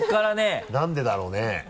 何でだろうね。